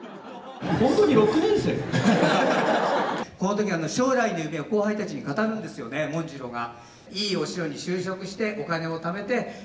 この時、将来の夢を後輩たちに語るんですよね文次郎が。